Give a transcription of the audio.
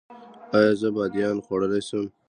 ایا زه بادیان خوړلی شم؟